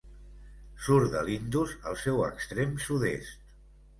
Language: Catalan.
Surt de l'Indus al seu extrem sud-est.